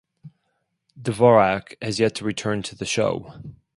Dvorak has yet to return to the show.